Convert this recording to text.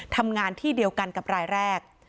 ทำงานที่เดียวกันกับรายแรก